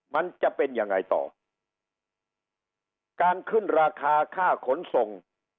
มันจะเป็นยังไงต่อการขึ้นราคาค่าขนส่ง